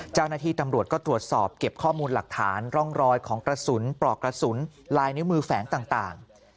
เจ้าหน้าที่ตำรวจก็ตรวจสอบเก็บข้อมูลหลักฐานร่องรอยของกระสุนปลอกกระสุนลายนิ้วมือแฝงต่าง